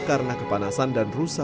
karena kepanasan dan rusak